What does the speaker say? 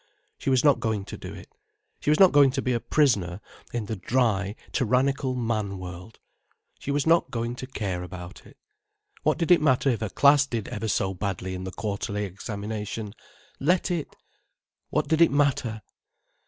She was not going to do it. She was not going to be a prisoner in the dry, tyrannical man world. She was not going to care about it. What did it matter if her class did ever so badly in the quarterly examination. Let it—what did it matter?